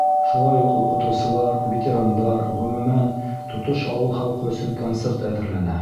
Шулай уҡ уҡытыусылар, ветерандар, ғөмүмән, тотош ауыл халҡы өсөн концерт әҙерләнә.